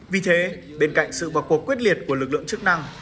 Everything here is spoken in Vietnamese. vì thế bên cạnh sự vào cuộc quyết liệt của lực lượng chức năng